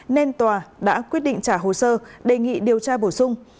nên tòa đã quyết định trả hồ sơ đề nghị điều tra bổ sung